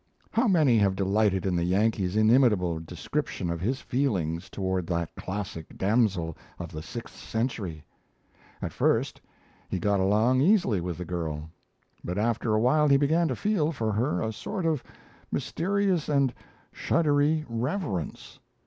How many have delighted in the Yankee's inimitable description of his feelings toward that classic damsel of the sixth century? At first he got along easily with the girl; but after a while he began to feel for her a sort of mysterious and shuddery reverence.